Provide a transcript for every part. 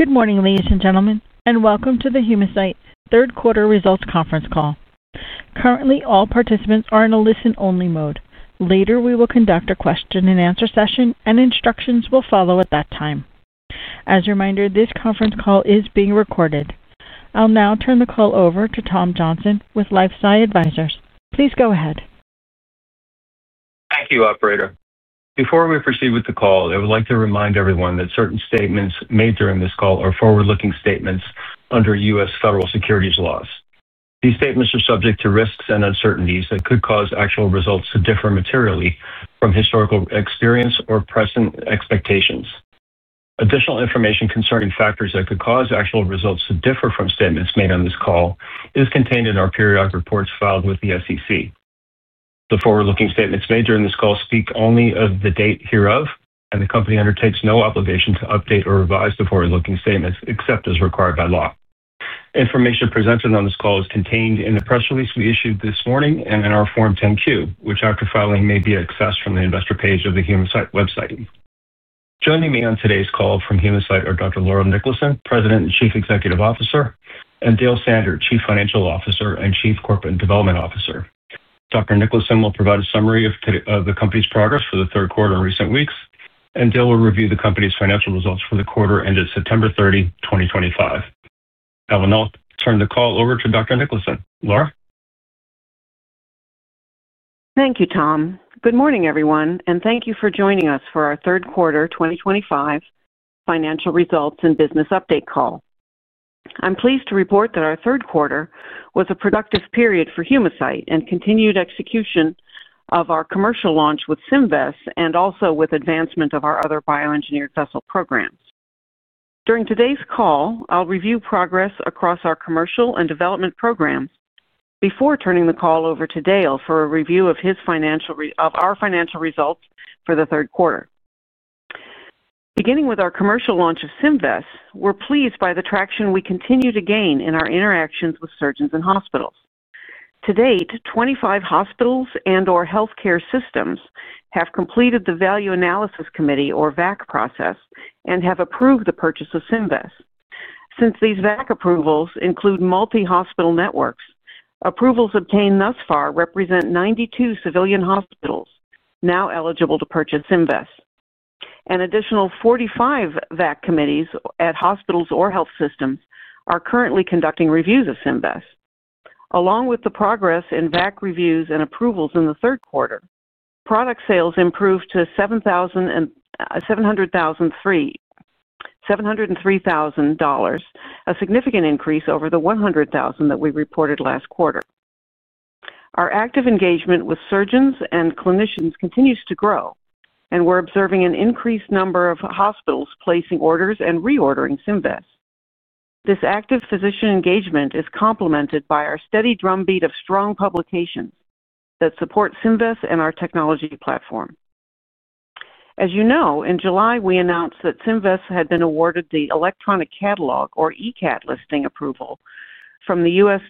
Good morning ladies and gentlemen and welcome to the Humacyte third quarter results conference call. Currently all participants are in a listen only mode. Later we will conduct a question and answer session and instructions will follow at that time. As a reminder, this conference call is being recorded. I'll now turn the call over to Tom Johnson with LifeSci Advisors. Please go ahead. Thank you, operator. Before we proceed with the call, I would like to remind everyone that certain statements made during this call are forward-looking statements under U.S. federal securities laws. These statements are subject to risks and uncertainties that could cause actual results to differ materially from historical experience or present expectations. Additional information concerning factors that could cause actual results to differ from statements made on this call is contained in our periodic reports filed with the SEC. The forward-looking statements made during this call speak only as of the date hereof and the company undertakes no obligation to update or revise the forward-looking statements except as required by law. Information presented on this call is contained in the press release we issued this morning and in our Form 10-Q, which after filing may be accessed from the Investor page of the Humacyte website. Joining me on today's call from Humacyte are Dr. Laura Niklason, President and Chief Executive Officer, and Dale Sander, Chief Financial Officer and Chief Corporate Development Officer. Dr. Niklason will provide a summary of the company's progress for the third quarter in recent weeks and Dale will review the company's financial results for the quarter ended September 30, 2025. I will now turn the call over to Dr. Niklason. Laura. Thank you, Tom. Good morning, everyone, and thank you for joining us for our third quarter 2025 financial results and business update call. I'm pleased to report that our third quarter was a productive period for Humacyte and continued execution of our commercial launch with Symvess and also with advancement of our other bioengineered vessel programs. During today's call, I'll review progress across our commercial and development programs before turning the call over to Dale for a review of our financial results for the third quarter. Beginning with our commercial launch of Symvess, we're pleased by the traction we continue to gain in our interactions with surgeons and hospitals. To date, 25 hospitals and or healthcare systems have completed the Value Analysis Committee, or VAC, process and have approved the purchase of Symvess. Since these VAC approvals include multi-hospital networks, approvals obtained thus far represent 92 civilian hospitals now eligible to purchase Symvess. An additional 45 VAC committees at hospitals or health systems are currently conducting reviews of Symvess. Along with the progress in VAC reviews and approvals in the third quarter, product sales improved to $703,000, a significant increase over the $100,000 that we reported last quarter. Our active engagement with surgeons and clinicians continues to grow, and we're observing an increased number of hospitals placing orders and reordering Symvess. This active physician engagement is complemented by our steady drumbeat of strong publications that support Symvess and our technology platform. As you know, in July we announced that Symvess had been awarded the Electronic Catalog or ECAT listing approval from the U.S.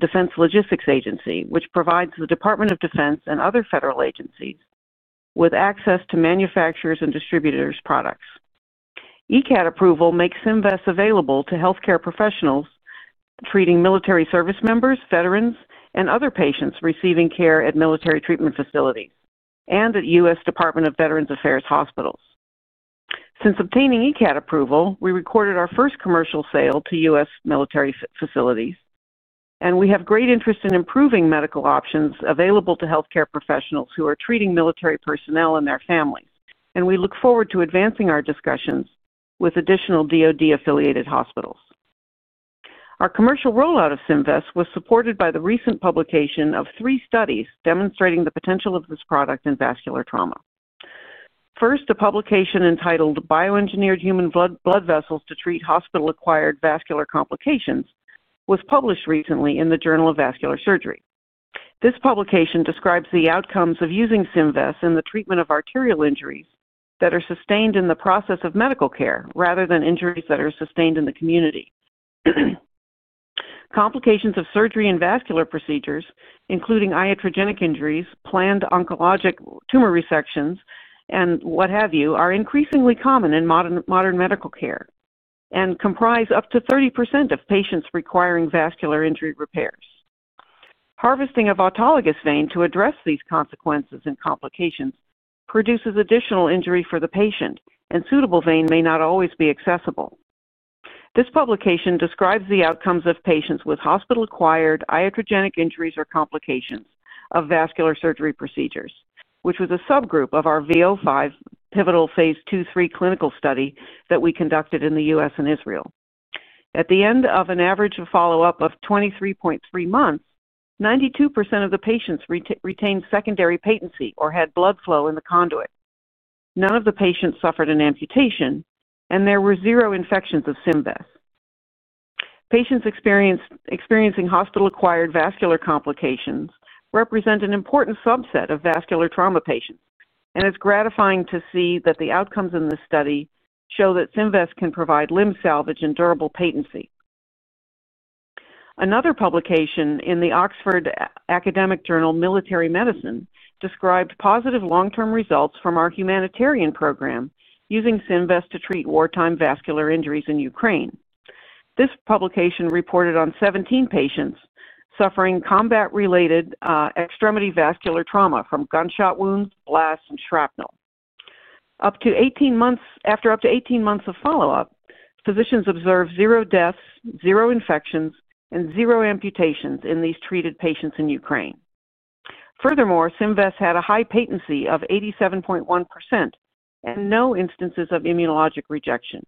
Defense Logistics Agency, which provides the Department of Defense and other federal agencies with access to manufacturers' and distributors' products. ECAT approval makes Symvess available to healthcare professionals treating military service members, veterans, and other patients receiving care at military treatment facilities and at U.S. Department of Veterans Affairs hospitals. Since obtaining ECAT approval, we recorded our first commercial sale to U.S. military facilities and we have great interest in improving medical options available to healthcare professionals who are treating military personnel and their families, and we look forward to advancing our discussions with additional DOD affiliated hospitals. Our commercial rollout of Symvess was supported by the recent publication of three studies demonstrating the potential of this product in vascular trauma. First, a publication entitled Bioengineered Human Blood Vessels to Treat Hospital-Acquired Vascular Complications was published recently in the Journal of Vascular Surgery. This publication describes the outcomes of using Symvess in the treatment of arterial injuries that are sustained in the process of medical care rather than injuries that are sustained in the community. Complications of surgery and vascular procedures, including iatrogenic injuries, planned oncologic tumor resections and what have you, are increasingly common in modern medical care and comprise up to 30% of patients requiring vascular injury repairs. Harvesting of autologous vein to address these consequences and complications produces additional injury for the patient and suitable vein may not always be accessible. This publication describes the outcomes of patients with hospital-acquired iatrogenic injuries or complications of vascular surgery procedures, which was a subgroup of our V005 pivotal phase II/III clinical study that we conducted in the U.S. and Israel. At the end of an average follow up of 23.3 months, 92% of the patients retained secondary patency or had blood flow in the conduit. None of the patients suffered an amputation and there were zero infections of Symvess. Patients experiencing hospital-acquired vascular complications represent an important subset of vascular trauma patients, and it's gratifying to see that the outcomes in this study show that Symvess can provide limb salvage and durable patency. Another publication in the Oxford Academic journal Military Medicine described positive long-term results from our humanitarian program using Symvess to treat wartime vascular injuries in Ukraine. This publication reported on 17 patients suffering combat-related extremity vascular trauma from gunshot wounds, blasts and shrapnel up to 18 months. After up to 18 months of follow up, physicians observed zero deaths, zero infections and zero amputations in these treated patients in Ukraine. Furthermore, Symvess had a high patency of 87.1% and no instances of immunologic rejection.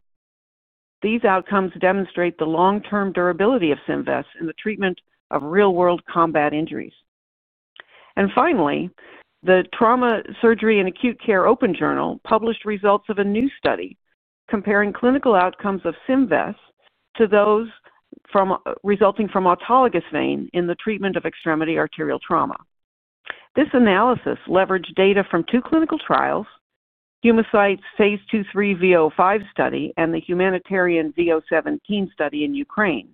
These outcomes demonstrate the long term durability of Symvess in the treatment of real world combat injuries. Finally, the Trauma Surgery & Acute Care Open journal published results of a new study comparing clinical outcomes of Symvess to those resulting from autologous vein in the treatment of extremity arterial trauma. This analysis leveraged data from two clinical trials, Humacyte's phase II/III V005 study and the Humanitarian V017 study in Ukraine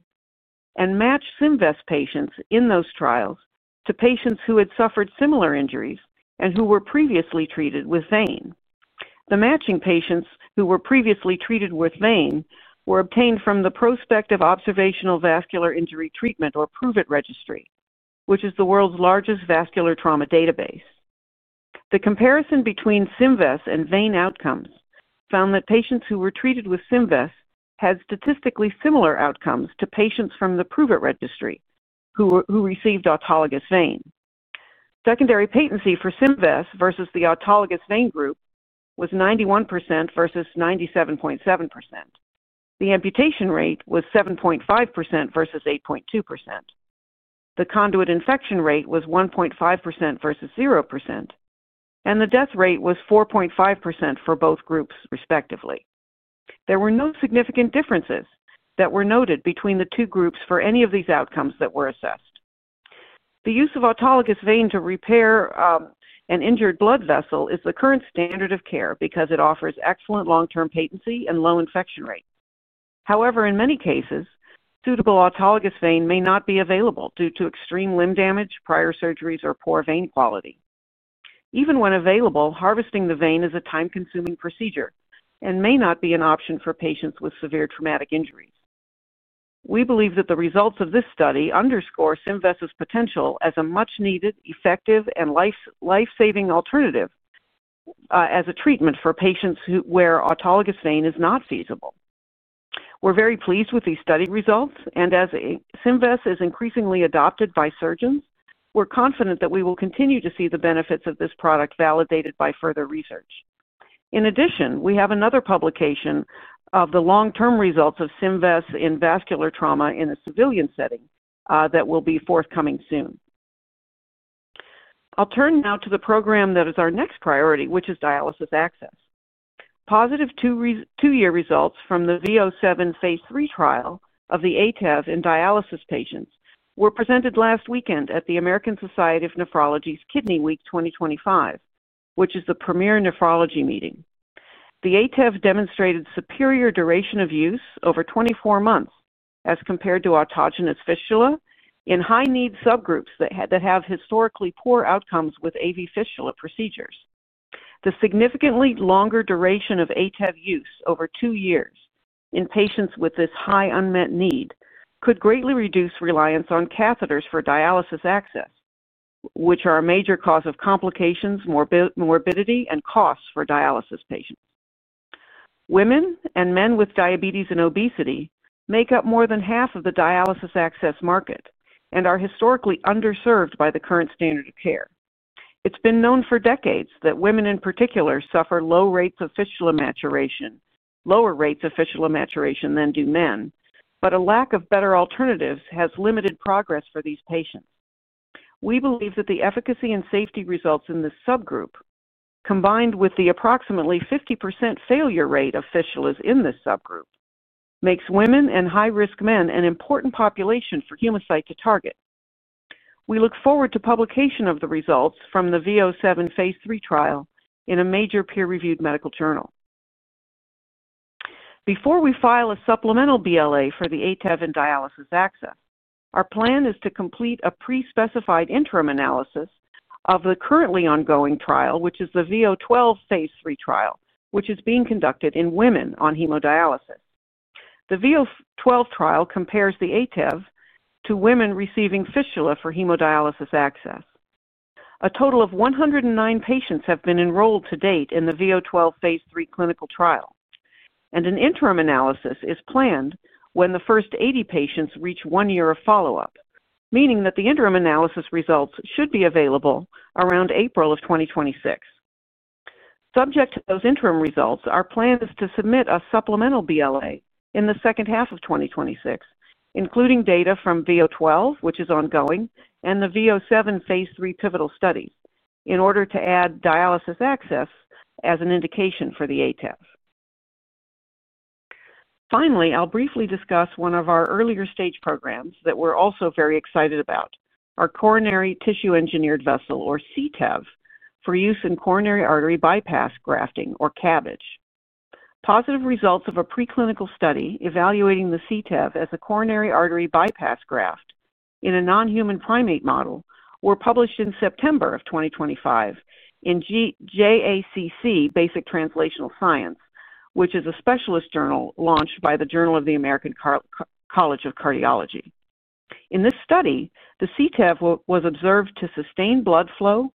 and matched Symvess patients in those trials to patients who had suffered similar injuries and who were previously treated with vein. The matching patients who were previously treated with vein were obtained from the Prospective Observational Vascular Injury Treatment or PROOVIT registry, which is the world's largest vascular trauma database. The comparison between Symvess and vein outcomes found that patients who were treated with Symvess had statistically similar outcomes to patients from the PROOVIT registry who received autologous vein. Secondary patency for Symvess versus the autologous vein group was 91% versus 97.7%, the amputation rate was 7.5% versus 8.2%, the conduit infection rate was 1.5% versus 0%, and the death rate was 4.5% for both groups respectively. There were no significant differences that were noted between the two groups for any of these outcomes that were assessed. The use of autologous vein to repair an injured blood vessel is the current standard of care because it offers excellent long term patency and low infection rate. However, in many cases suitable autologous vein may not be available due to extreme limb damage, prior surgeries, or poor vein quality. Even when available. Harvesting the vein is a time consuming procedure and may not be an option for patients with severe traumatic injuries. We believe that the results of this study underscore Symvess potential as a much needed effective and life saving alternative as a treatment for patients where autologous vein is not feasible. We're very pleased with these study results and as Symvess is increasingly adopted by surgeons we're confident that we will continue to see the benefits of this product validated by further research. In addition, we have another publication of the long term results of Symvess in vascular trauma in a civilian setting that will be forthcoming soon. I'll turn now to the program that is our next priority, which is dialysis access. Positive two-year results from the V007 phase III trial of the ATEV in dialysis patients were presented last weekend at the American Society of Nephrology's Kidney Week 2025, which is the premier nephrology meeting. The ATEV demonstrated superior duration of use over 24 months as compared to autogenous fistula in high need subgroups that have historically poor outcomes with AV fistula procedures. The significantly longer duration of ATEV use over two years in patients with this high unmet need could greatly reduce reliance on catheters for dialysis access, which are a major cause of complications, morbidity and costs for dialysis patients. Women and men with diabetes and obesity make up more than half of the dialysis access market and are historically underserved by the current standard of care. It's been known for decades that women in particular suffer low rates of fistula maturation, lower rates of fistula maturation than do men, but a lack of better alternatives has limited progress for these patients. We believe that the efficacy and safety results in this subgroup, combined with the approximately 50% failure rate of fistulas in this subgroup, makes women and high risk men an important population for Humacyte to target. We look forward to publication of the results from the V007 phase III trial in a major peer reviewed medical journal before we file a supplemental BLA for the ATEV and dialysis access. Our plan is to complete a pre specified interim analysis of the currently ongoing trial which is the V012 phase III trial which is being conducted in women on hemodialysis. The V012 trial compares the ATEV to women receiving fistula for hemodialysis access. A total of 109 patients have been enrolled to date in the V012 phase III clinical trial and an interim analysis is planned when the first 80 patients reach one year of follow up, meaning that the interim analysis results should be available around April of 2026. Subject to those interim results, our plan is to submit a supplemental BLA in the second half of 2026, including data from V012 which is ongoing, and the V007 phase III pivotal studies in order to add dialysis access as an indication for the ATEV. Finally, I'll briefly discuss one of our earlier stage programs that we're also very excited about. Our coronary tissue engineered vessel or CTEV for use in coronary artery bypass grafting or CABG. Positive results of a preclinical study evaluating the CTEV as a coronary artery bypass graft in a nonhuman primate model were published in September of 2025 in JACC Basic Translational Science, which is a specialist journal launched by the Journal of the American College of Cardiology. In this study, the CTEV was observed to sustain blood flow,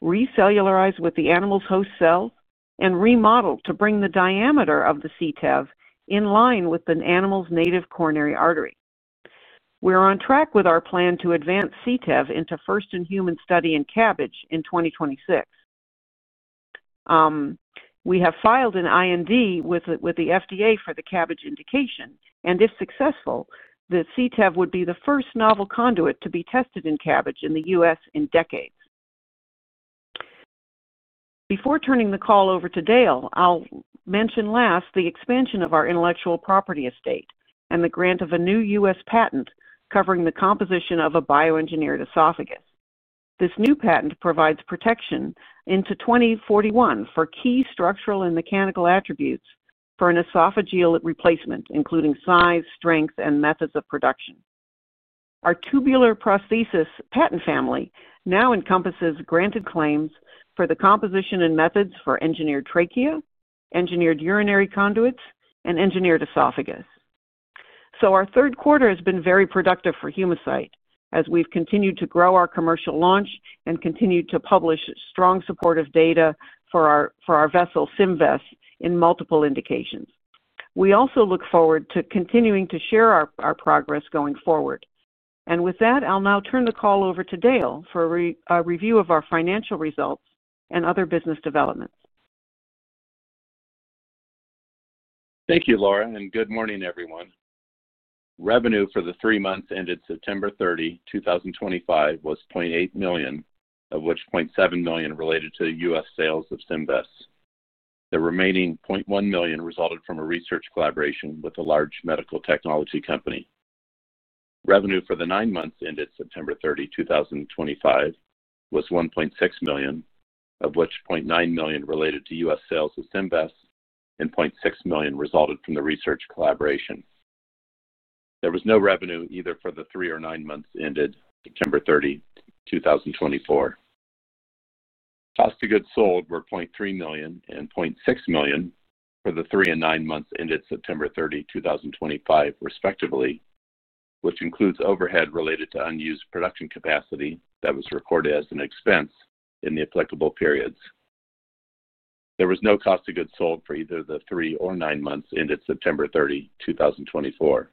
recellularize with the animal's host cells, and remodel to bring the diameter of the CTEV in line with an animal's native coronary artery. We're on track with our plan to advance CTEV into first in human study in CABG in 2026. We have filed an IND with the FDA for the CABG indication, and if successful, the CTEV would be the first novel conduit to be tested in CABG in the U.S. in decades. Before turning the call over to Dale, I'll mention last the expansion of our intellectual property estate and the grant of a new U.S. patent covering the composition of a bioengineered esophagus. This new patent provides protection into 2041 for key structural and mechanical attributes for an esophageal replacement, including size, strength, and methods of production. Our tubular prosthesis patent family now encompasses granted claims for the composition and methods for engineered trachea, engineered urinary conduits, and engineered esophagus. Our third quarter has been very productive for Humacyte as we've continued to grow our commercial launch and continue to publish strong supportive data for our vessel Symvess in multiple indications. We also look forward to continuing to share our progress going forward, and with that, I'll now turn the call over to Dale for a review of our financial results and other business developments. Thank you, Laura, and good morning everyone. Revenue for the three months ended September 30, 2025 was $0.8 million, of which $0.7 million related to U.S. sales of Symvess. The remaining $0.1 million resulted from a research collaboration with a large medical technology company. Revenue for the nine months ended September 30, 2025 was $1.6 million, of which $0.9 million related to U.S. sales of Symvess, and $0.6 million resulted from the research collaboration. There was no revenue either for the three or nine months ended September 30, 2024. Cost of goods sold were $0.3 million and $6 million for the three and nine months ended September 30, 2025, respectively, which includes overhead related to unused production capacity that was recorded as an expense in the applicable periods. There was no cost of goods sold for either the three or nine months ended September 30, 2024.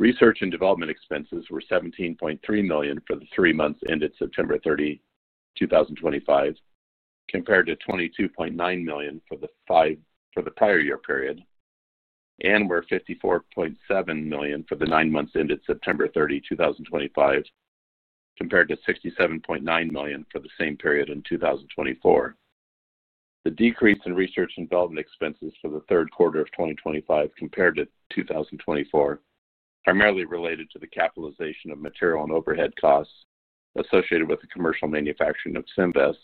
Research and development expenses were $17.3 million for the three months ended September 30, 2025 compared to $22.9 million for the prior year period and were $54.7 million for the nine months ended September 30, 2025 compared to $67.9 million for the same period in 2024. The decrease in research and development expenses for the third quarter of 2025 compared to 2024 primarily related to the capitalization of material and overhead costs associated with the commercial manufacturing of Symvess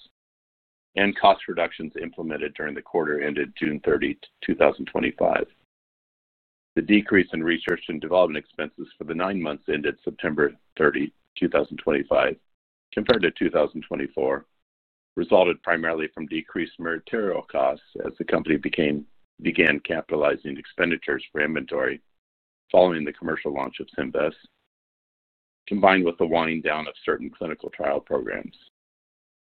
and cost reductions implemented during the quarter ended June 30, 2025. The decrease in research and development expenses for the nine months ended September 30, 2025 compared to 2024 resulted primarily from decreased material costs as the company began capitalizing expenditures for inventory following the commercial launch of Symvess, combined with the winding down of certain clinical trial programs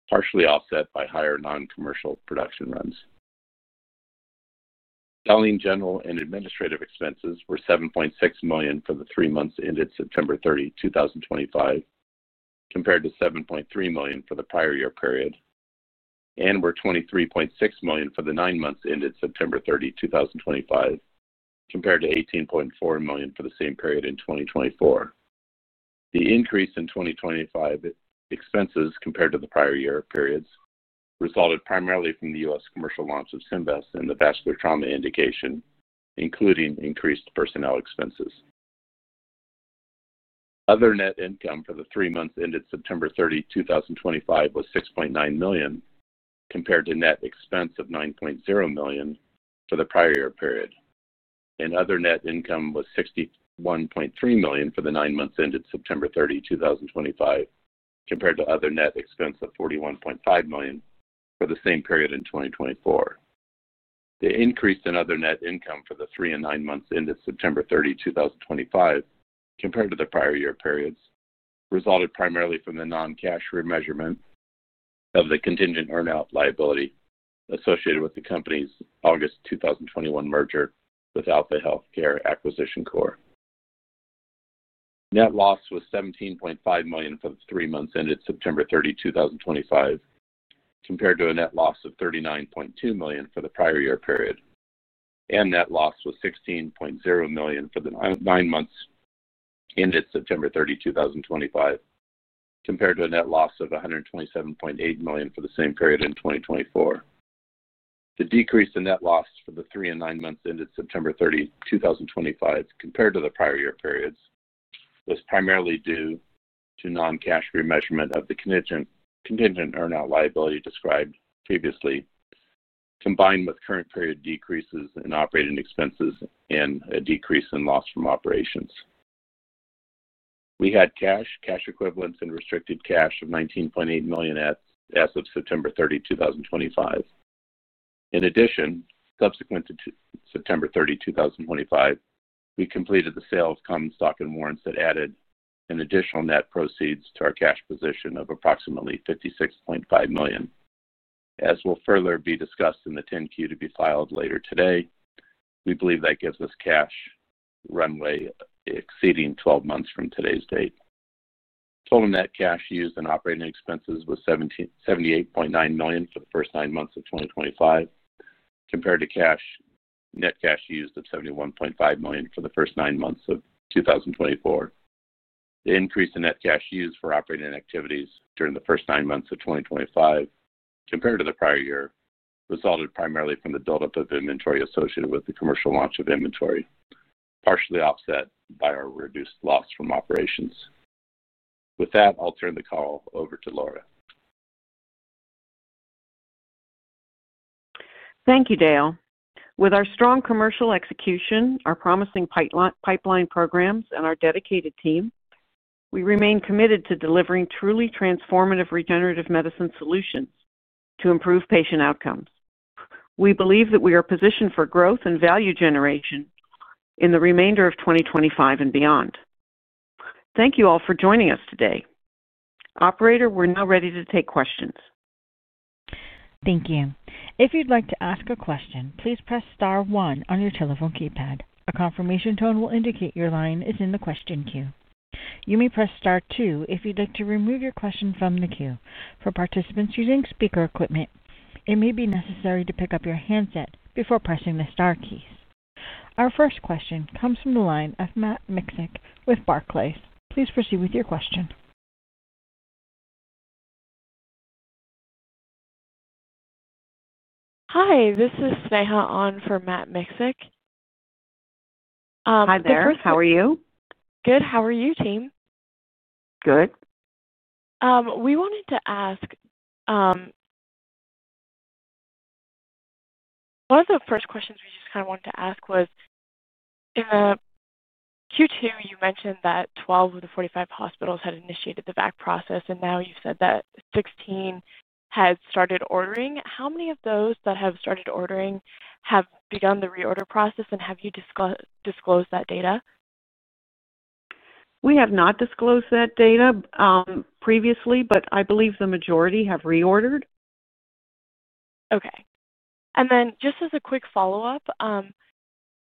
partially offset by higher non-commercial production runs. Dialing general and administrative expenses were $7.6 million for the three months ended September 30, 2025 compared to $7.3 million for the prior year period and were $23.6 million for the nine months ended September 30, 2025 compared to $18.4 million for the same period in 2024. The increase in 2025 expenses compared to the prior year periods resulted primarily from the U.S. commercial launch of Symvess and the vascular trauma indication, including increased personnel expenses. Other net income for the three months ended September 30, 2025 was $6.9 million compared to net expense of $9.0 million for the prior year period and other net income was $61.3 million for the nine months ended September 30, 2025 compared to other net expense of $41.5 million for the same period in 2024. The increase in other net income for the three and nine months ended September 30, 2025 compared to the prior year periods resulted primarily from the non-cash remeasurement of the contingent earnout liability associated with the company's August 2021 merger with Alpha Healthcare Acquisition Corp net loss was $17.5 million for the three months ended September 30, 2025 compared to a net loss of $39.2 million for the prior year period and net loss was $16.0 million for the nine months ended September 30, 2025 compared to a net loss of $127.8 million for the same period in 2024. The decrease in net loss for the three and nine months ended September 30, 2025 compared to the prior year periods was primarily due to non-cash remeasurement of the contingent earnout liability described previously, combined with current period decreases in operating expenses and a decrease in loss from operations. We had cash, cash equivalents, and restricted cash of $19.8 million as of September 30, 2025. In addition, subsequent to September 30, 2025, we completed the sale of common stock and warrants that added an additional net proceeds to our cash position of approximately $56.5 million. As will further be discussed in the 10-Q to be filed later today, we believe that gives us cash runway exceeding 12 months from today's date. Total net cash used in operating expenses was $78.9 million for the first nine months of 2025 compared to net cash used of $71.5 million for the first nine months of 2024. The increase in net cash used for operating activities during the first nine months of 2025 compared to the prior year resulted primarily from the buildup of inventory associated with the commercial launch of inventory, partially offset by our reduced loss from operations. With that, I'll turn the call over to Laura. Thank you, Dale. With our strong commercial execution, our promising pipeline programs and our dedicated team, we remain committed to delivering truly transformative regenerative medicine solutions to improve patient outcomes. We believe that we are positioned for growth and value generation in the remainder of 2025 and beyond. Thank you all for joining us today. Operator. We're now ready to take questions. Thank you. If you'd like to ask a question, please press star one on your telephone keypad. A confirmation tone will indicate your line is in the question queue. You may press star two if you'd like to remove your question from the queue. For participants using speaker equipment, it may be necessary to pick up your handset before pressing the star keys. Our first question comes from the line of Matt Miksic with Barclays. Please proceed with your question. Hi, this is Sneha on for Matt Miksic. Hi there. How are you? Good. How are you, team? Good. We wanted to ask. One of the first questions we just kind of wanted to ask was in Q2 you mentioned that 12 of the 45 hospitals had initiated the VAC process and now you said that 16 had started ordering. How many of those that have started ordering have begun the reorder process? And have you disclosed that data? We have not disclosed that data previously, but I believe the majority have reordered. Okay. And then just as a quick follow up,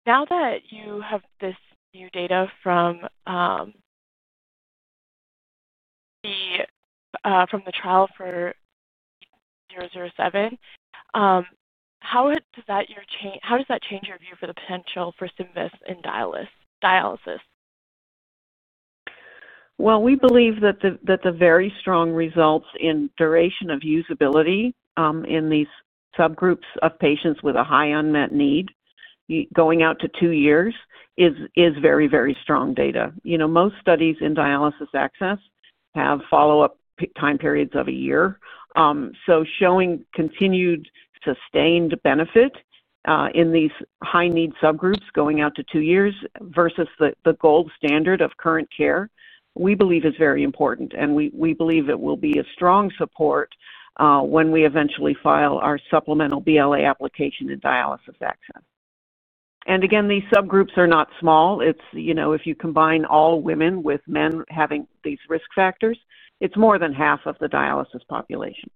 now that you have this new data from the trial for V007, how does that change your view for the potential for Symvess in dialysis? Dialysis? We believe that the very strong results in duration of usability in these subgroups of patients with a high unmet need going out to two years is very, very strong data. Most studies in dialysis access have follow up time periods of a year. Showing continued sustained benefit in these high need subgroups going out to two years versus the gold standard of current care, we believe is very important and we believe it will be a strong support when we eventually file our supplemental BLA application in dialysis access. Again, these subgroups are not small. If you combine all women with men having these risk factors, it's more than half of the dialysis population.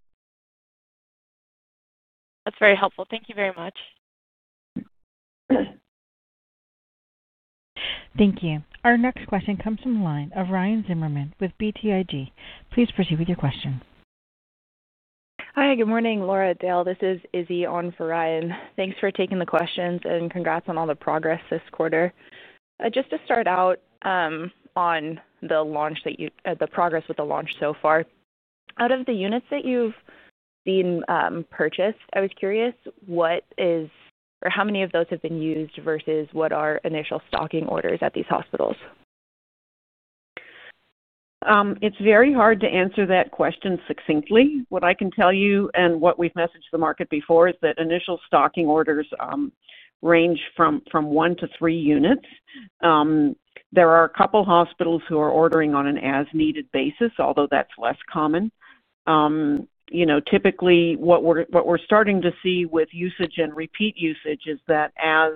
That's very helpful. Thank you very much. Thank you. Our next question comes from the line of Ryan Zimmerman with BTIG. Please proceed with your question. Hi, good morning. Laura, Dale, this is Izzy on for Ryan. Thanks for taking the questions and congrats on all the progress this quarter. Just to start out on the launch that you, the progress with the launch so far, out of the units that have been purchased, I was curious what is or how many of those have been used versus what are initial stocking orders at these hospitals? It's very hard to answer that question succinctly. What I can tell you and what we've messaged the market before is that initial stocking orders range from one to three units. There are a couple hospitals who are ordering on an as needed basis, although that's less common. You know, typically what we're starting to see with usage and repeat usage is that as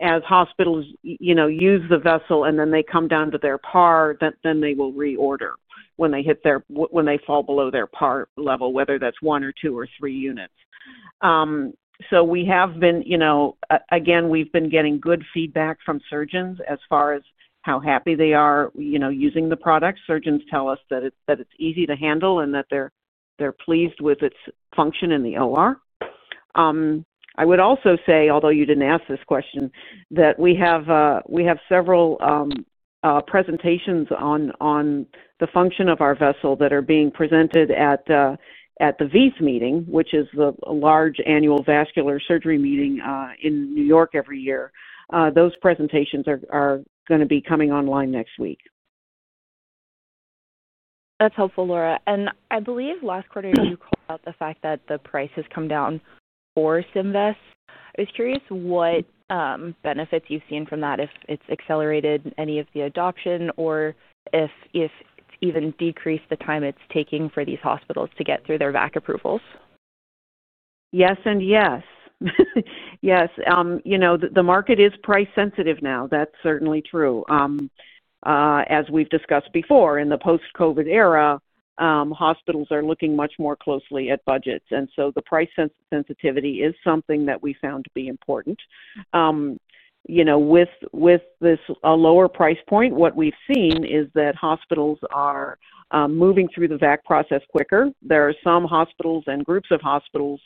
hospitals, you know, use the vessel and then they come down to their par, then they will reorder when they hit their, when they fall below their par level, whether that's one or two or three units. We have been, you know, again, we've been getting good feedback from surgeons as far as how happy they are, you know, using the product. Surgeons tell us that it's easy to handle and that they're pleased with its function in the OR. I would also say, although you didn't ask this question, that we have several presentations on the function of our vessel that are being presented at the VEITH meeting, which is the large annual vascular surgery meeting in New York every year. Those presentations are going to be coming online next week. That's helpful, Laura. I believe last quarter you called out the fact that the price has come down for Symvess. I was curious what benefits you've seen from that, if it's accelerated any of the adoption or if it's even decreased the time it's taking for these hospitals to get through their VAC approvals. Yes, and yes. Yes. You know, the market is price sensitive now. That is certainly true. As we have discussed before, in the post COVID era, hospitals are looking much more closely at budgets. The price sensitivity is something that we found to be important. You know, with this lower price point, what we have seen is that hospitals are moving through the VAC process quicker. There are some hospitals and groups of hospitals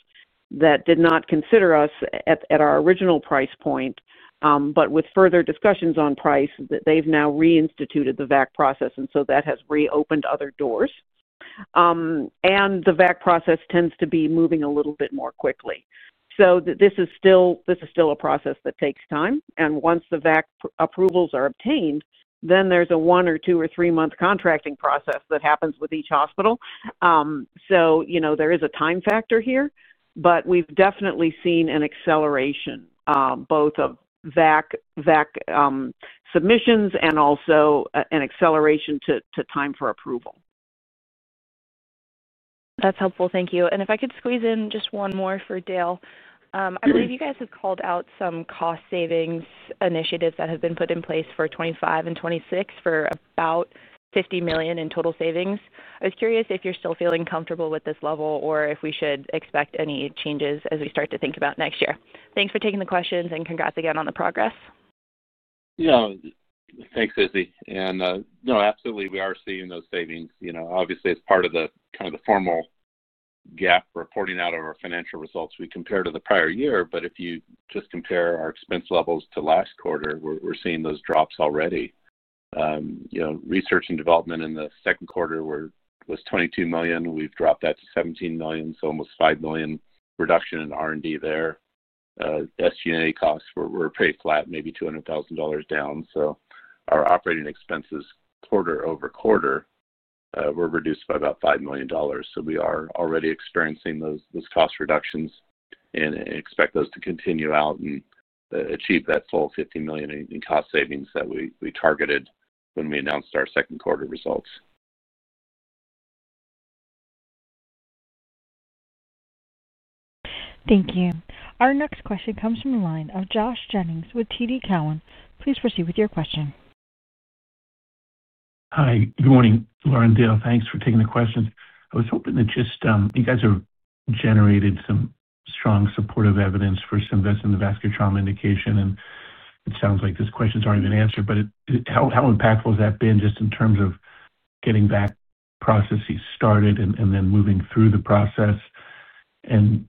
that did not consider us at our original price point. With further discussions on price, they have now reinstituted the VAC process. That has reopened other doors and the VAC process tends to be moving a little bit more quickly. This is still a process that takes time. Once the VAC approvals are obtained, there is a one or two or three month contracting process that happens with each hospital. You know, there is a time factor here, but we've definitely seen an acceleration both of VAC submissions and also an acceleration to time for approval. That's helpful. Thank you. If I could squeeze in just one more for Dale. I believe you guys have called out some cost savings initiatives that have been put in place for 2025 and 2026 for about $50 million in total savings. I was curious if you're still feeling comfortable with this level or if we should expect any changes as we start to think about next year. Thanks for taking the questions and congrats again on the progress. Yeah, thanks, Izzy. No, absolutely we are seeing those savings. You know, obviously as part of the kind of the formal GAAP reporting out of our financial results, we compare to the prior year. If you just compare our expense levels to last quarter, we're seeing those drops already. You know, research and development in the second quarter was $22 million. We've dropped that to $17 million. Almost $5 million reduction in R&D there. SG&A costs were pretty flat, maybe $200,000 down. Our operating expenses quarter over quarter were reduced by about $5 million. We are already experiencing those cost reductions and expect those to continue out and achieve that full $50 million in cost savings that we targeted when we announced our second quarter results. Thank you. Our next question comes from the line of Josh Jennings with TD Cowen. Please proceed with your question. Hi, good morning, Laura and Dale, thanks for taking the question. I was hoping that just you guys have generated some strong supportive evidence for Symvess in the vascular trauma indication. It sounds like this question's already been answered, but it sounds, how impactful has that been just in terms of getting that process started and then moving through the process and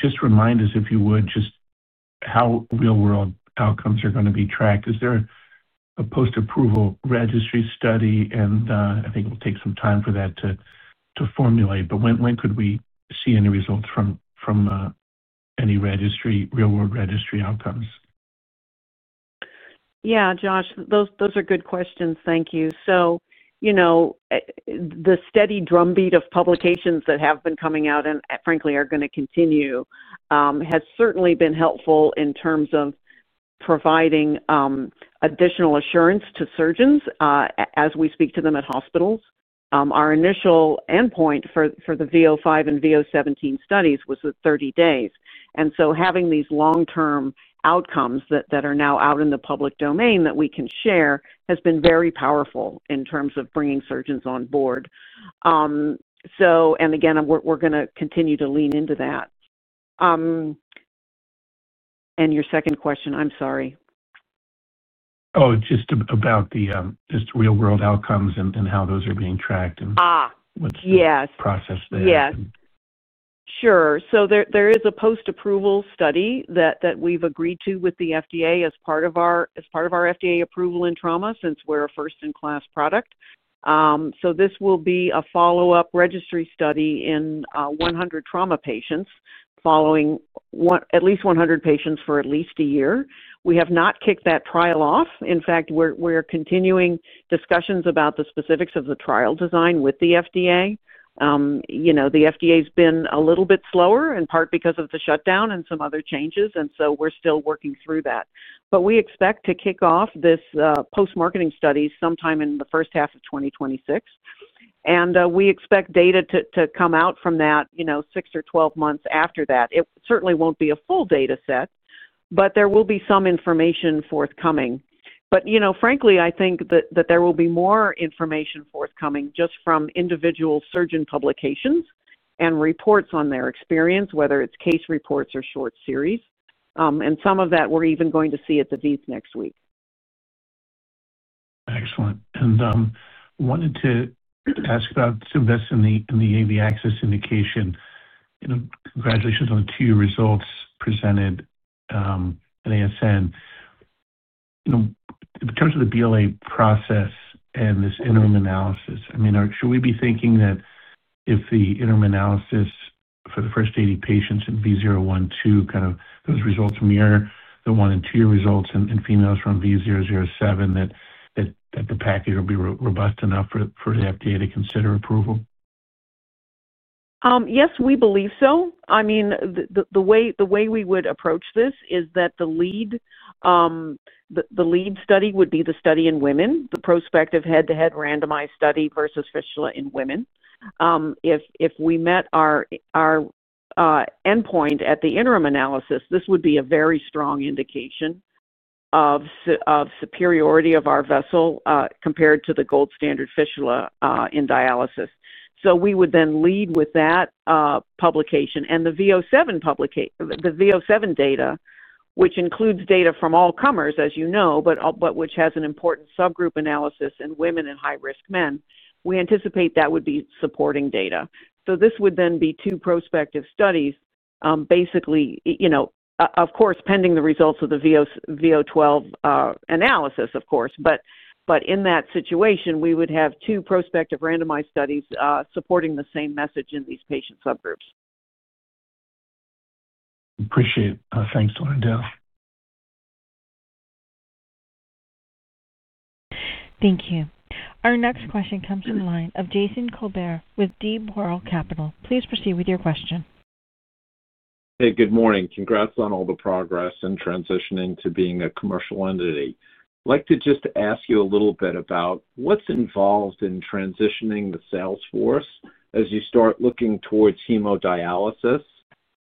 just remind us if you would, just how real world outcomes are going to be tracked. Is there a post approval registry study? I think it will take some time for that to formulate. When could we see any results from any registry? Real world registry outcomes? Yeah, Josh, those are good questions. Thank you. You know, the steady drumbeat of publications that have been coming out and frankly are going to continue has certainly been helpful in terms of providing additional assurance to surgeons as we speak to them at hospitals. Our initial endpoint for the V005 and V017 studies was at 30 days. Having these long term outcomes that are now out in the public domain that we can share has been very powerful in terms of bringing surgeons on board. We are going to continue to lean into that. Your second question, I'm sorry. Oh, just about the just real world outcomes and how those are being tracked. What's processed there. Yes, sure. There is a post approval study that we've agreed to with the FDA as part of our FDA approval in trauma since we're a first in class product. This will be a follow up registry study in 100 trauma patients, following at least 100 patients for at least a year. We have not kicked that trial off. In fact, we're continuing discussions about the specifics of the trial design with the FDA. You know, the FDA has been a little bit slower in part because of the shutdown and some other changes. We're still working through that. We expect to kick off this post marketing study sometime in the first half of 2026. We expect data to come out from that six or 12 months after that. It certainly won't be a full data set, but there will be some information forthcoming. Frankly, I think that there will be more information forthcoming just from individual surgeon publications and reports on their experience, whether it's case reports or short series. Some of that we're even going to see at the VEITH next week. Excellent. I wanted to ask about Symvess in the AV access indication. Congratulations on the two results presented at ASN in terms of the BLA process and this interim analysis. I mean, should we be thinking that if the interim analysis for the first 80 patients in V012, kind of those results mirror the one and two results in females from V007, that the package will be robust enough for the FDA to consider approval? Yes, we believe so. I mean, the way we would approach this is that the lead study would be the study in women, the prospective head to head randomized study versus fistula in women. If we met our endpoint at the interim analysis, this would be a very strong indication of superiority of our vessel compared to the gold standard fistula in dialysis. We would then lead with that publication and the V007 data, which includes data from all comers, as you know, but which has an important subgroup analysis in women and high risk men. We anticipate that would be supporting data. This would then be two prospective studies, basically, you know, of course, pending the results of the V012 analysis, of course. In that situation, we would have two prospective randomized studies supporting the same message in these patient subgroups. Appreciate it. Thanks, Laura and Dale. Thank you. Our next question comes from the line of Jason Kolbert with D. Boral Capital. Please proceed with your question. Hey, good morning. Congrats on all the progress in transitioning to being a commercial entity. I'd like to just ask you a little bit about what's involved in transitioning the sales force. As you start looking towards hemodialysis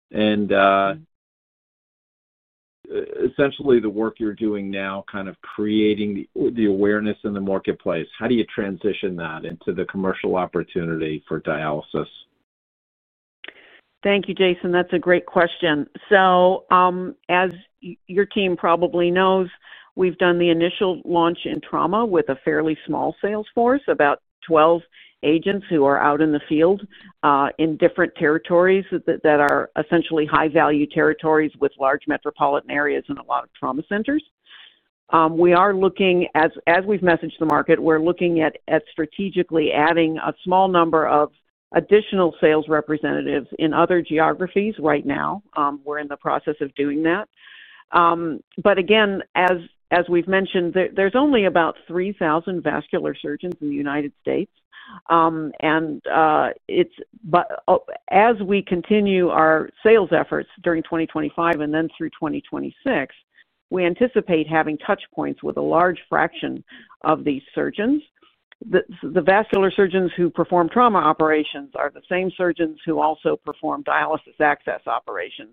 and essentially the work you're doing now kind of creating the awareness in the marketplace, how do you transition that into the commercial opportunity for dialysis? Thank you, Jason. That's a great question. As your team probably knows, we've done the initial launch in trauma with a fairly small sales force, about 12 agents who are out in the field in different territories that are essentially high value territories with large metropolitan areas and a lot of trauma centers. We are looking, as we've messaged the market, at strategically adding a small number of additional sales representatives in other geographies. Right now we're in the process of doing that. As we've mentioned, there's only about 3,000 vascular surgeons in the United States. As we continue our sales efforts during 2025 and then through 2026, we anticipate having touch points with a large fraction of these surgeons. The vascular surgeons who perform trauma operations are the same surgeons who also perform dialysis access operations.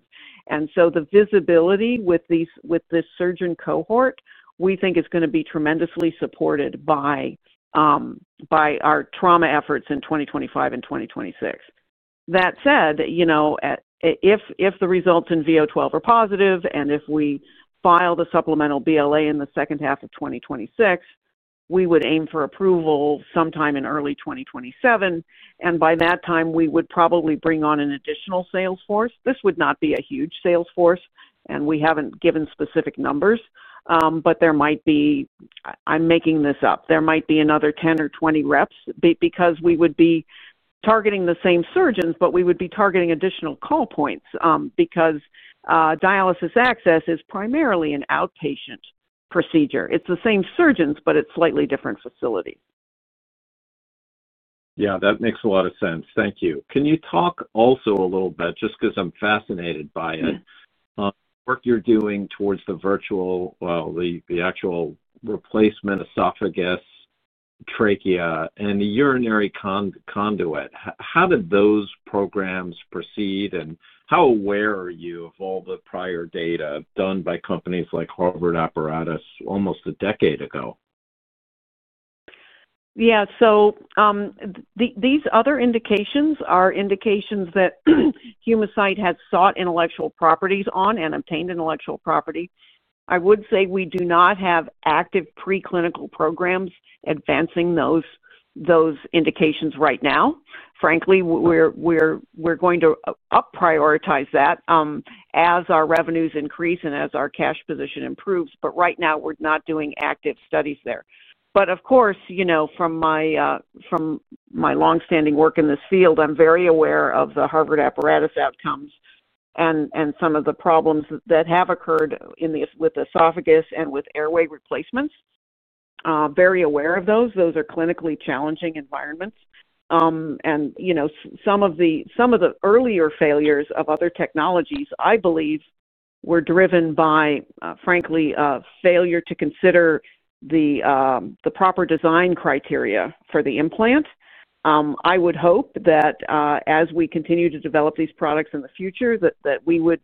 The visibility with this surgeon cohort, we think, is going to be tremendously supported by our trauma efforts in 2025 and 2026. That said, if the results in V012 are positive and if we file the supplemental BLA in the second half of 2026, we would aim for approval sometime in early 2027. By that time we would probably bring on an additional sales force. This would not be a huge sales force and we have not given specific numbers, but there might be—I am making this up—there might be another 10 or 20 reps because we would be targeting the same surgeons, but we would be targeting additional call points because dialysis access is primarily an outpatient procedure. It is the same surgeons, but it is slightly different facilities. Yeah, that makes a lot of sense. Thank you. Can you talk also a little bit? Just because I'm fascinated by the work you're doing towards the virtual. The actual replacement esophagus, trachea, and the urinary conduit, how did those programs proceed and how aware are you of all the prior data done by companies like Harvard Apparatus almost a decade ago? Yeah, so these other indications are indications that Humacyte has sought intellectual property on and obtained intellectual property. I would say we do not have active preclinical programs advancing those indications. Right now, frankly, we're going to up prioritize that as our revenues increase and as our cash position improves. Right now we're not doing active studies there. Of course, from my longstanding work in this field, I'm very aware of the Harvard Apparatus outcomes and some of the problems that have occurred with esophagus and with airway replacements. Very aware of those. Those are clinically challenging environments. You know, some of the earlier failures of other technologies I believe were driven by, frankly, failure to consider the proper design criteria for the implant. I would hope that as we continue to develop these products in the future that we would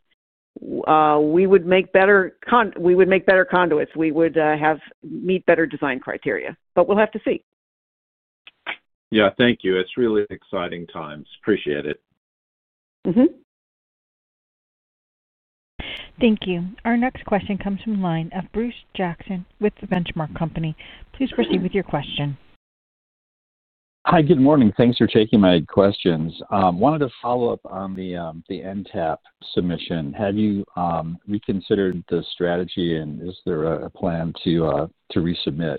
make better conduits, we would have met better design criteria. We'll have to see. Yeah, thank you. It's really exciting times. Appreciate it. Thank you. Our next question comes from the line of Bruce Jackson with The Benchmark Company. Please proceed with your question. Hi, good morning. Thanks for taking my questions. Wanted to follow up on the NTAP submission. Have you reconsidered the strategy and is there a plan to resubmit?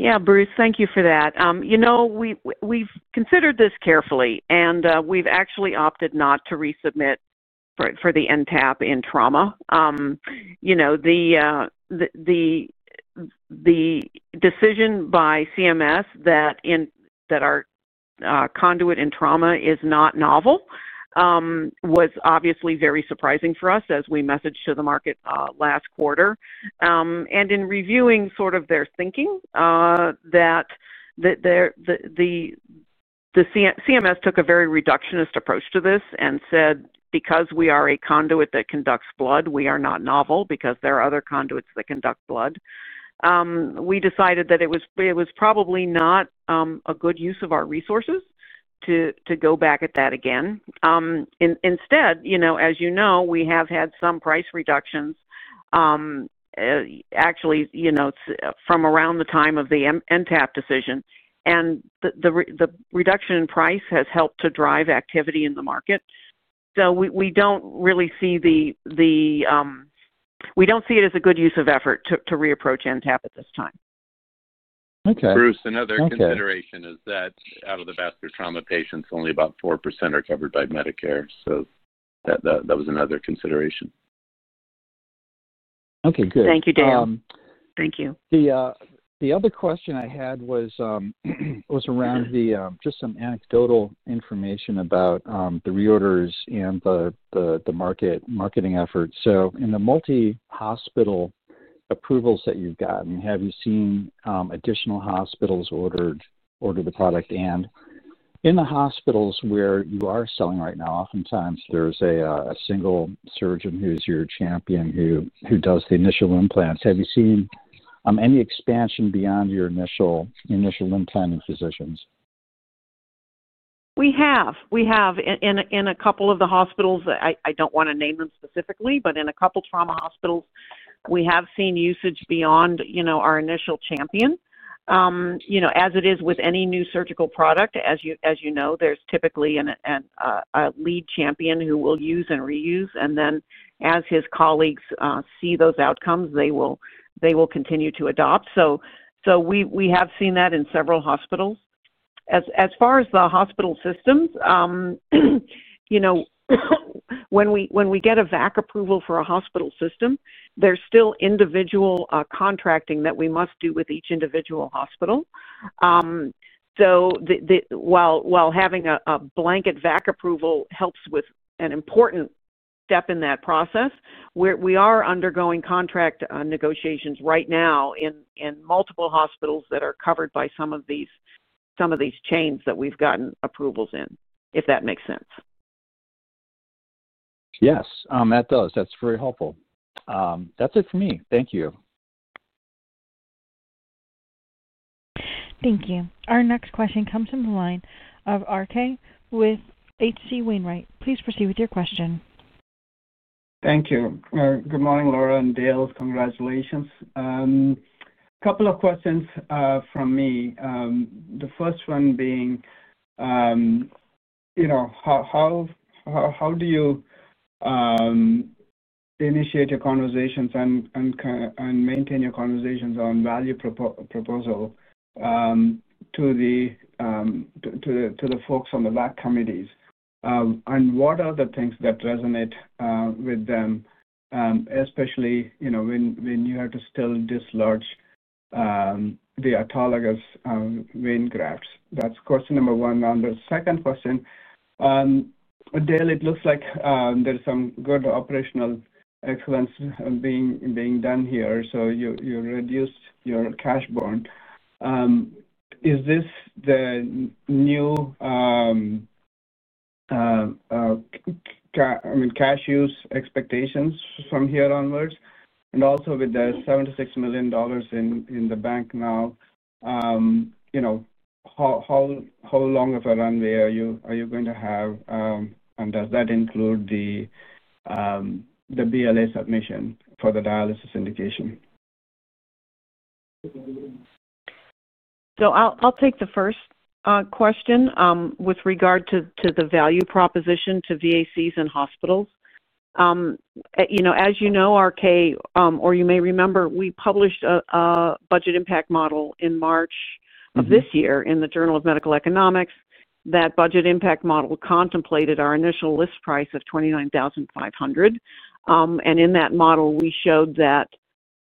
Yeah, Bruce, thank you for that. You know, we've considered this carefully and we've actually opted not to resubmit for the NTAP in trauma. You know, the decision by CMS that in that our conduit in trauma is not novel was obviously very surprising for us as we messaged to the market last quarter and in reviewing sort of their thinking that the CMS took a very reductionist approach to this and said because we are a conduit that conducts blood, we are not novel because there are other conduits that conduct blood. We decided that it was probably not a good use of our resources to go back at that again. Instead, as you know, we have had some price reductions actually from around the time of the NTAP decision and the reduction in price has helped to drive activity in the market. We do not really see it as a good use of effort to re-approach NTAP at this time. Bruce, another consideration is that out of the vascular trauma patients only about 4% are covered by Medicare. That was another consideration. Okay, good. Thank you, Dale. Thank you. The other question I had was around just some anecdotal information about the reorders and the marketing efforts. In the multi hospital approvals that you've gotten, have you seen additional hospitals order the product, and in the hospitals where you are selling right now, oftentimes there's a single surgeon who's your champion who does the initial implants. Have you seen any expansion beyond your initial implant in physicians? We have, in a couple of the hospitals, I do not want to name them specifically, but in a couple trauma hospitals we have seen usage beyond our initial champion. As it is with any new surgical product, as you know, there is typically a lead champion who will use and reuse, and then as his colleagues see those outcomes, they will continue to adopt. We have seen that in several hospitals. As far as the hospital systems, when we get a VAC approval for a hospital system, there is still individual contracting that we must do with each individual hospital. While having a blanket VAC approval helps with an important step in that process, we are undergoing contract negotiations right now in multiple hospitals that are covered by some of these chains that we have gotten approvals in. If that makes sense. Yes, that does. That's very helpful. That's it for me. Thank you. Thank you. Our next question comes from the line of R.K. with H.C. Wainwright. Please proceed with your question. Thank you. Good morning. Laura and Dale, congratulations. A couple of questions from me, the first one being, you know, how do. You. Initiate your conversations and maintain your conversations on value proposal to the folks on the back committees and what are the things that resonate with them, especially, you know, when you have to still dislodge the autologous vein grafts. That's question number one. On the second question, Dale, it looks like there's some good operational excellence being done here. You reduced your cash bond. Is this the new cash use expectations from here onwards? Also, with the $76 million in the bank now, you know, how long of a runway are you going to have? Does that include the BLA submission for the dialysis indication? I'll take the first question with regard to the value proposition to VACs and hospitals. You know, as you know, R.K. or you may remember, we published a budget impact model in March of this year in the Journal of Medical Economics. That budget impact model contemplated our initial list price of $29,500. In that model we showed that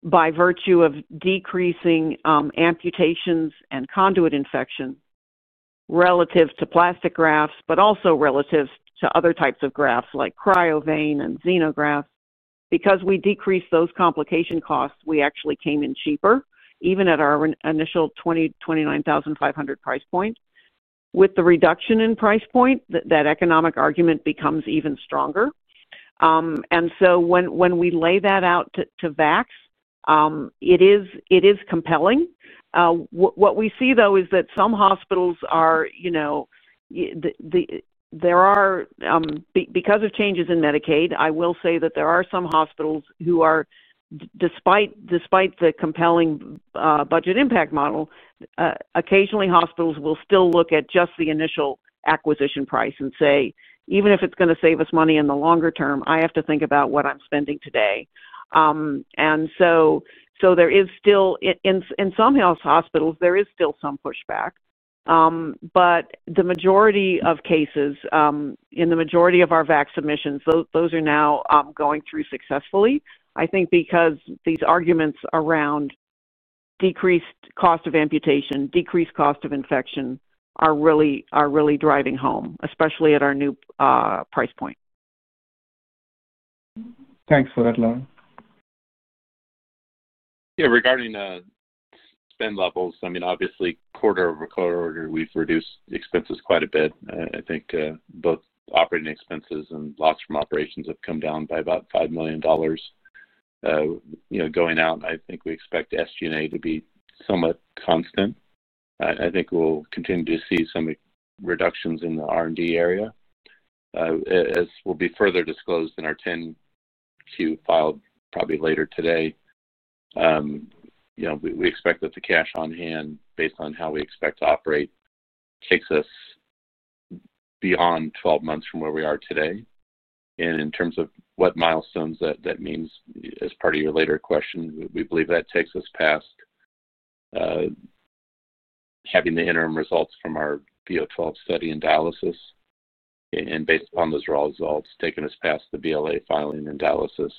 by virtue of decreasing amputations and conduit infection relative to plastic grafts, but also relative to other types of grafts like cryovein and xenografts, because we decreased those complication costs, we actually came in cheaper even at our initial $29,500 price point. With the reduction in price point, that economic argument becomes even stronger. When we lay that out to VACs, it is compelling. What we see, though, is that some hospitals are, you know, there are because of changes in Medicaid. I will say that there are some hospitals who are. Despite the compelling budget impact model, occasionally hospitals will still look at just the initial acquisition price and say, even if it's going to save us money in the longer term, I have to think about what I'm spending today. There is still, in some hospitals, there is still some pushback, but the majority of cases in the majority of our VAC submissions, those are now going through successfully, I think, because these arguments around decreased cost of amputation, decreased cost of infection are really driving home, especially at our new price point. Thanks for that, Laura. Yeah, regarding spend levels, I mean, obviously quarter over quarter, we've reduced expenses quite a bit. I think both operating expenses and loss from operations have come down by about $5 million. You know, going out, I think we expect SG&A to be somewhat constant. I think we'll continue to see some reductions in the R&D area, as will be further disclosed in our 10-Q filed probably later today. You know, we expect that the cash on hand, based on how we expect to operate, takes us beyond 12 months from where we are today. In terms of what milestones that means, as part of your later question, we believe that takes us past having the interim results from our V012 study in dialysis and based upon those raw results, taking us past the BLA filing in dialysis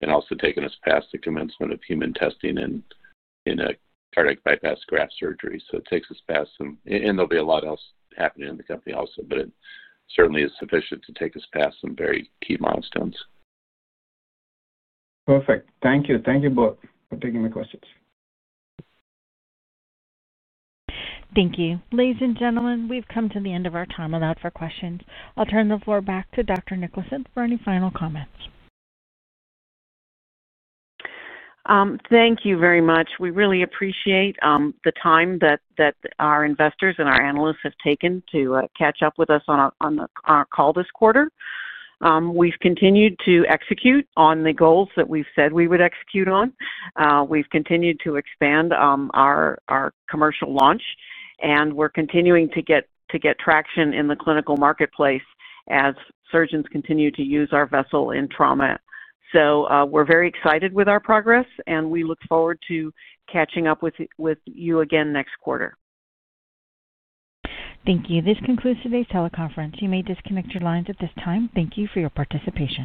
and also taking us past the commencement of human testing in a cardiac bypass graft surgery. It takes us past, and there'll be a lot else happening in the company also, but it certainly is sufficient to take us past some very key milestones. Perfect. Thank you. Thank you both for taking the questions. Thank you. Ladies and gentlemen, we've come to the end of our time without for questions. I'll turn the floor back to Dr. Niklason for any final comments. Thank you very much. We really appreciate the time that our investors and our analysts have taken to catch up with us on a call this quarter. We've continued to execute on the goals that we said we would execute on. We've continued to expand our commercial launch, and we're continuing to get traction in the clinical marketplace as surgeons continue to use our vessel in trauma. We are very excited with our progress and we look forward to catching up with you again next quarter. Thank you. This concludes today's teleconference. You may disconnect your lines at this time. Thank you for your participation.